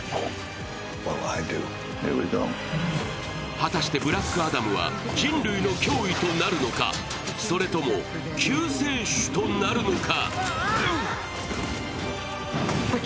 果たしてブラックアダムは人類の脅威となるのかそれとも救世主となるのか。